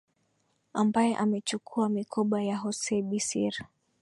ambaye amechukua mikoba ya hosee bisir